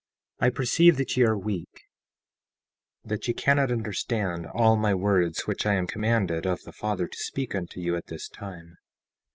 17:2 I perceive that ye are weak, that ye cannot understand all my words which I am commanded of the Father to speak unto you at this time.